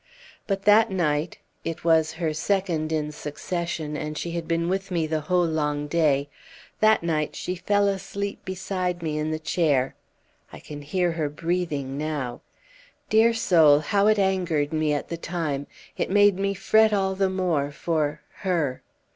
But that night it was her second in succession and she had been with me the whole long day that night she fell asleep beside me in the chair. I can hear her breathing now. "Dear soul, how it angered me at the time! It made me fret all the more for her.